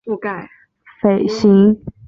裴行俭人。